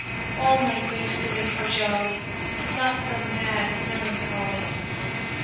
All my griefs to this are jolly, Naught so mad as melancholy.